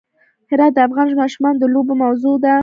هرات د افغان ماشومانو د لوبو موضوع ده.